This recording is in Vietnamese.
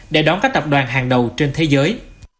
để đón các tập đoàn hàng đầu trên thế giới